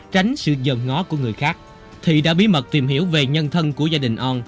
tránh sự dờn ngó của người khác thị đã bí mật tìm hiểu về nhân thân của gia đình on